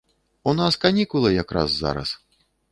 У нас канікулы якраз зараз.